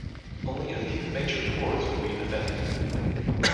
Only a few major ports would be defended.